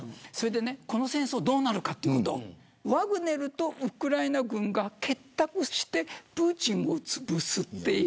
この戦争どうなるかというとワグネルとウクライナ軍が結託してプーチンをつぶすっていう。